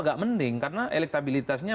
agak mending karena elektabilitasnya